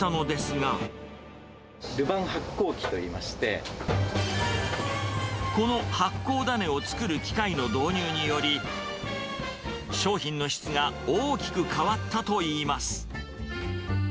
これはルバン発酵機といいまこの発酵だねを作る機械の導入により、商品の質が大きく変わったといいます。